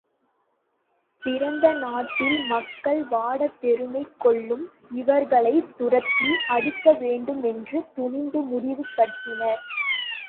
பிறந்த நாட்டில் மக்கள் வாடப் பெருமை கொள்ளும் இவர்களைத் துரத்தி அடிக்க வேண்டு மென்று துணிந்து முடிவு கட்டினர்.